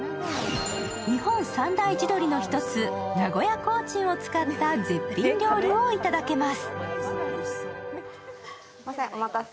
日本三大地鶏の一つ、名古屋コーチンを使った絶品料理をいただけます。